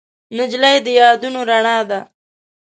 نجلۍ د یادونو رڼا ده.